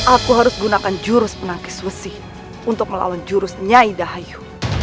aku harus gunakan jurus penangkis susi untuk melawan jurus nyai dahayu